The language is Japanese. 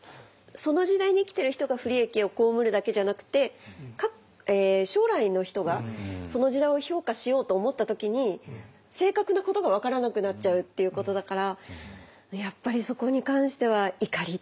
その時代に生きてる人が不利益を被るだけじゃなくて将来の人がその時代を評価しようと思った時に正確なことが分からなくなっちゃうっていうことだからやっぱりそこに関しては怒り。